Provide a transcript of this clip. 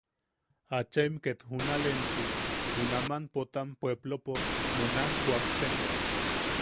Achaim ket junalensu, junaman Potam pueplopo ne naaj kuakten.